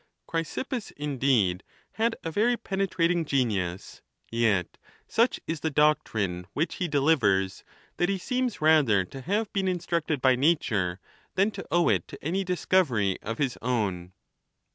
VI. Chrysippus, indeed, had a very penetrating genius; yet such is the doctrine which he delivers, that he seems' rather to have been instructed by nature than to owe it to any discovery of his own.